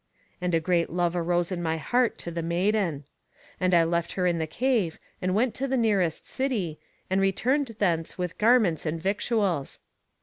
And a great love arose in my heart to the maiden. And I left her in the cave, and went to the nearest city, and returned thence with garments and victuals.